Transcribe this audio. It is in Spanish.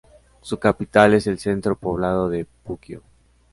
Su capital es el centro poblado de Puquio.